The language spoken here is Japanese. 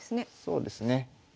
そうですね。